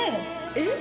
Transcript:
えっ？